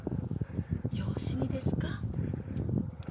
養子にですか？